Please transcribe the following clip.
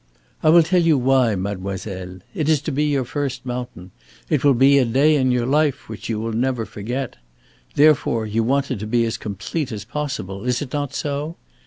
"I will tell you why, mademoiselle. It is to be your first mountain. It will be a day in your life which you will never forget. Therefore you want it to be as complete as possible is it not so?